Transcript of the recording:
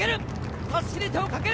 襷に手をかける。